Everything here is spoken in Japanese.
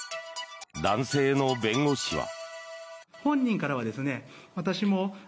男性の弁護士は。